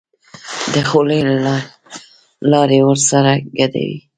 د خولې لاړې ورسره ګډوي.